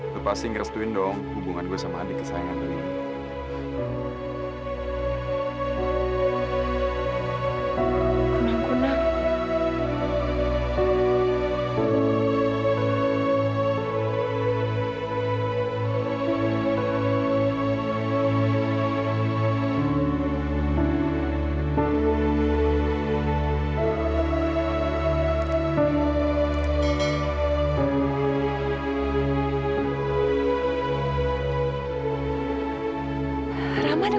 lu pasti ngerestuin dong hubungan gue sama adik kesayangan dulu